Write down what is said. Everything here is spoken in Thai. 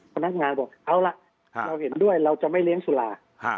พนักงานบอกเอาล่ะเราเห็นด้วยเราจะไม่เลี้ยงสุรา